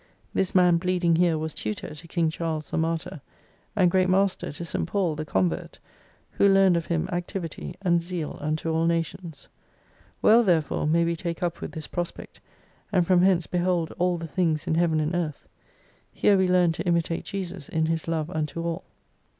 This Man bleeding here was tutor to King Charles the Martyr : and Great Master to St. Paul, the convert who learned of Him activity, and zeal unto all nations. Well therefore may we take up with this prospect, and from hence behold all the things in Heaven and Earth. Here we learn to imitate Jesus in His love unto all.